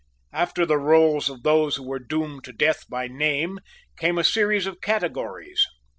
After the roll of those who were doomed to death by name, came a series of categories.